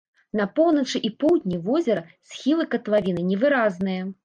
На поўначы і поўдні возера схілы катлавіны невыразныя.